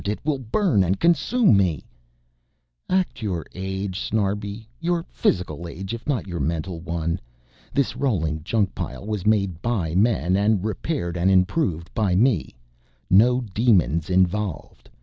It will burn and consume me " "Act your age, Snarbi, your physical age if not your mental one. This rolling junk pile was made by men and repaired and improved by me, no demons involved.